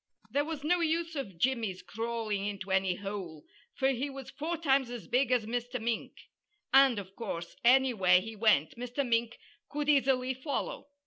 There was no use of Jimmy's crawling into any hole, for he was four times as big as Mr. Mink; and, of course, anywhere he went, Mr. Mink could easily follow.